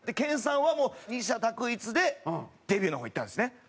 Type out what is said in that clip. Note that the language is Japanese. ｋｅｎさんはもう二者択一でデビューの方いったんですね。